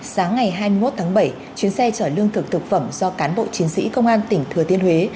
sáng ngày hai mươi một tháng bảy chuyến xe chở lương thực thực phẩm do cán bộ chiến sĩ công an tỉnh thừa thiên huế